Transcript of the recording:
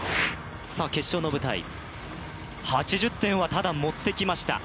決勝の舞台、８０点はただ、持ってきました。